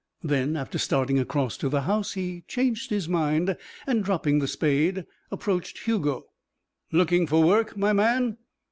Then, after starting across to the house, he changed his mind and, dropping the spade, approached Hugo. "Looking for work, my man?"